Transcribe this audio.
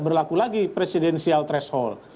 berlaku lagi presidensial threshold